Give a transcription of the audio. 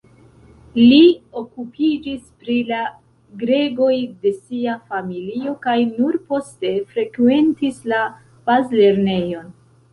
Li okupiĝis pri la gregoj de sia familio kaj nur poste frekventis la bazlernejon.